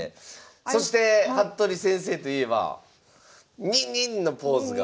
そして服部先生といえばのポーズが。